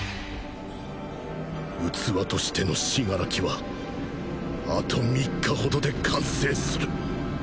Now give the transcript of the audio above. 器としての死柄木はあと３日程で完成する。